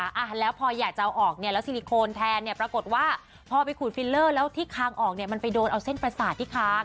อ่าแล้วพออยากจะเอาออกเนี่ยแล้วซิลิโคนแทนเนี่ยปรากฏว่าพอไปขูดฟิลเลอร์แล้วที่คางออกเนี่ยมันไปโดนเอาเส้นประสาทที่คาง